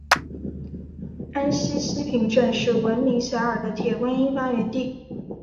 安溪西坪镇是名闻遐迩的铁观音发源地。